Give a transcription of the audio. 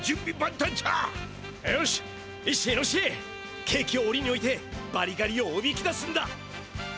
よしイシシノシシケーキをオリにおいてバリガリをおびき出すんだ。